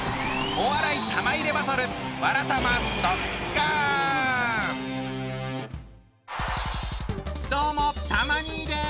お笑い玉入れバトルどうもたま兄です。